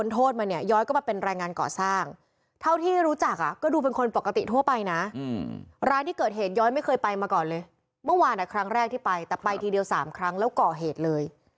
แต่ไปทีเดียวสามครั้งแล้วก่อเหตุเลย